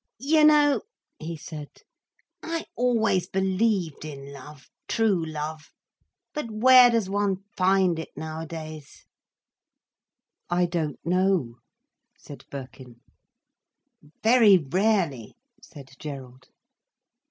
"You know," he said, "I always believed in love—true love. But where does one find it nowadays?" "I don't know," said Birkin. "Very rarely," said Gerald.